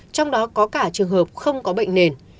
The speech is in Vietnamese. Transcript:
trong đó có cả trường hợp không có bệnh nền